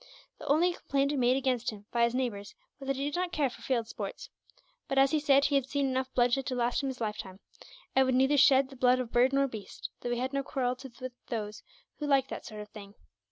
The only complaint made against him, by his neighbours, was that he did not care for field sports. But, as he said, he had seen enough bloodshed to last him his lifetime; and would neither shed the blood of bird nor beast, though he had no quarrel with those who liked that sort of thing.